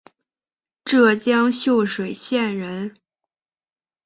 浙江秀水县人。